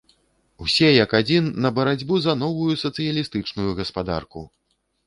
Усе як адзін на барацьбу за новую сацыялістычную гаспадарку!